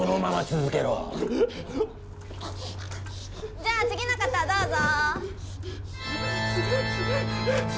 じゃあ次の方どうぞ。